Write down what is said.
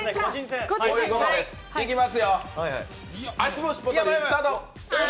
いきますよ。